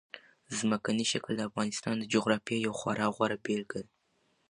ځمکنی شکل د افغانستان د جغرافیې یوه خورا غوره بېلګه ده.